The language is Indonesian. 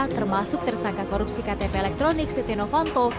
termasuk tersangka korupsi ktp elektronik setia novanto